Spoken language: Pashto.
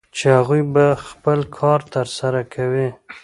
چې هغوی به خپل کار ترسره کوي